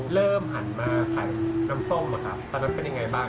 เชิญติดตามรัวของคุณต้นจะน่าสนใจขนาดไหน